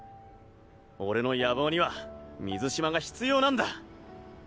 俺の野望には水嶋が必要なんだ！